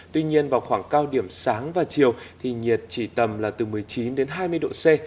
tuy nhiên vào khoảng cao điểm sáng và chiều thì nhiệt chỉ tầm là từ một mươi chín đến hai mươi độ c